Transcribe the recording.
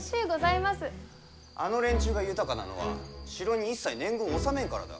あの連中が豊かなのは城に一切年貢を納めんからだ。